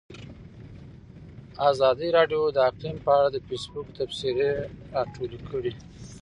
ازادي راډیو د اقلیم په اړه د فیسبوک تبصرې راټولې کړي.